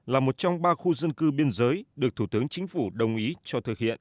là một trong ba khu dân cư biên giới được thủ tướng chính phủ đồng ý cho thực hiện